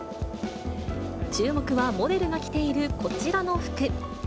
注目はモデルが着ているこちらの服。